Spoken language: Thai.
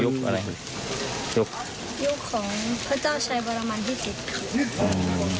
ยุคของพระเจ้าชายวรมันที่๑๐